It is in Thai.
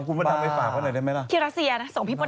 โอ้โหไม่อยากไปคว้านพี่มดดำหน่อยได้ไหม